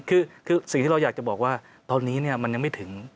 คือสิ่งที่เราอยากจะบอกว่าตอนนี้มันยังไม่ถึง